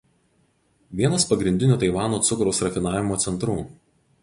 Vienas pagrindinių Taivano cukraus rafinavimo centrų.